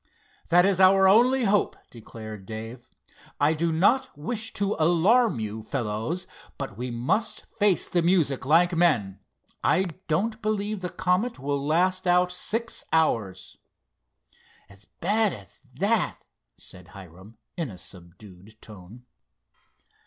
"That is our only hope," declared Dave. "I do not wish to alarm you, fellows; but we must face the music like men. I don't believe the Comet will last out six hours." "As bad as that?" said Hiram, in a subdued tone.